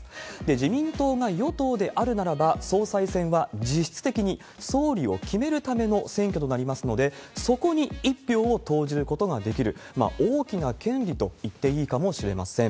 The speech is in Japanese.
自民党が与党であるならば、総裁選は実質的に総理を決めるための選挙となりますので、そこに一票を投じることができる、大きな権利といっていいかもしれません。